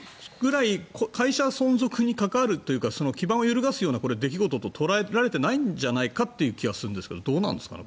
会社の存続に関わるというぐらい基盤を揺るがすような出来事と捉えられてないんじゃないかという気がするんですがどうなんですかね